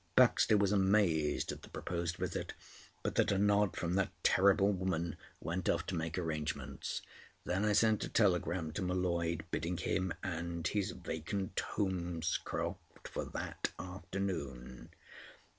Baxter was amazed at the proposed visit, but at a nod from that terrible woman went off to make arrangements. Then I sent a telegram to M'Leod bidding him and his vacate Holmescroft for that afternoon.